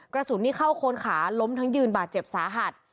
กระสุนนี่เข้าโคนขาล้มทั้งยืนบาดเจ็บสาหัส